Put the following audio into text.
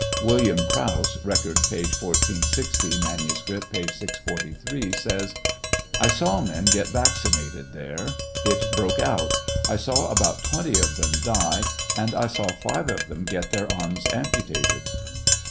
William Grouse (Record, p. 1460 ; manuscript, p. 643,) says : I saw men get vaccinated there; it broke out; I saw about twenty of them die, and I saw five of them get their arms amputated.